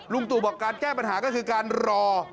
ตู่บอกการแก้ปัญหาก็คือการรอ